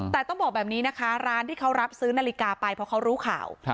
แต่ต้องบอกแบบนี้นะคะร้านที่เขารับซื้อนาฬิกาไปเพราะเขารู้ข่าว